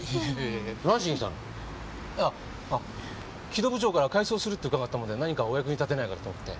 城戸部長から改装するって伺ったもんで何かお役に立てないかと思って。